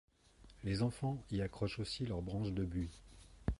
Les enfants y accrochent aussi leurs branches de buis.